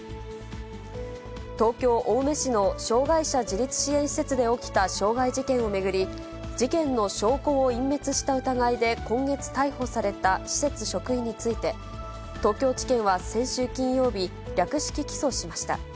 東京・青梅市の障がい者自立支援施設で起きた傷害事件を巡り、事件の証拠を隠滅した疑いで今月逮捕された施設職員について、東京地検は先週金曜日、略式起訴しました。